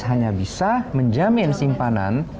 hanya bisa menjamin simpanan